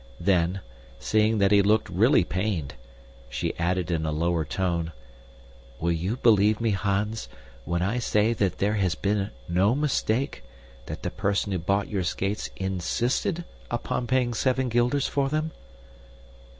Then, seeing that he looked really pained, she added in a lower tone, "Will you believe me, Hans, when I say that there has been no mistake, that the person who bought your skates INSISTED upon paying seven guilders for them?"